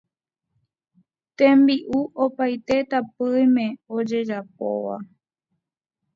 Tembi'u opaite tapỹime ojejapóva